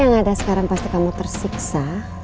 yang ada sekarang pasti kamu tersiksa